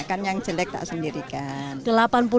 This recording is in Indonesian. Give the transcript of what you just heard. kan yang jelek tak sendirikan